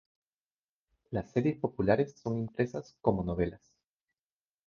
Las series populares son impresas como novelas.